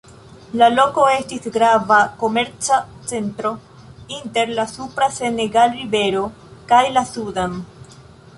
La loko estis grava komerca centro inter la supra Senegal-rivero kaj la Sudan.